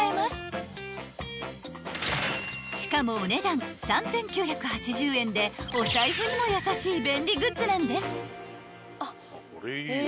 ［しかもお値段３，９８０円でお財布にも優しい便利グッズなんです］